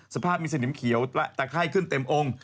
สภาพมีเสน่ห์เหนียมเขียวแต่ไข้ขึ้นเต็มองค์